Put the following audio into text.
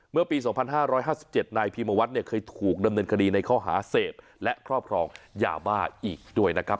เมื่อปี๒๕๕๗นายพิมวัฒน์เนี่ยเคยถูกดำเนินคดีในข้อหาเสพและครอบครองยาบ้าอีกด้วยนะครับ